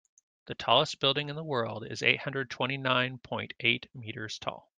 The tallest building in the world is eight hundred twenty nine point eight meters tall.